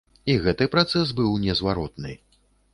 І гэты працэс быў незваротны.